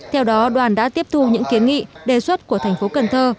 theo đó đoàn đã tiếp thu những kiến nghị đề xuất của thành phố cần thơ